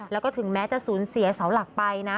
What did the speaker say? แล้วก็ถึงแม้จะสูญเสียเสาหลักไปนะ